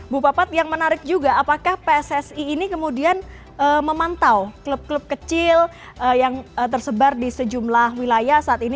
bu papat yang menarik juga apakah pssi ini kemudian memantau klub klub kecil yang tersebar di sejumlah wilayah saat ini